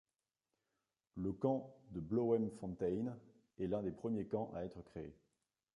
Le camps de Bloemfontein est l'un des premiers camps à être créés.